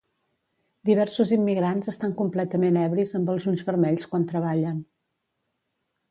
Diversos immigrants estan completament ebris amb els ulls vermells quan treballen